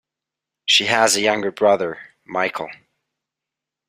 She has a younger brother Michael.